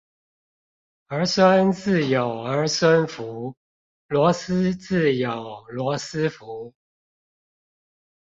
兒孫自有兒孫福，螺絲自有羅斯福